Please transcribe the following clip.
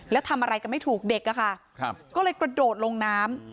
แล้วทำอะไรกันไม่ถูกเด็กอะค่ะก็เลยกระโดดลงน้ำ